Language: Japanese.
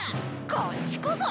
こっちこそ！